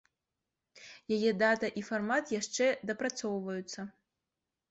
Яе дата і фармат яшчэ дапрацоўваюцца.